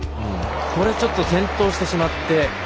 ちょっと転倒してしまって。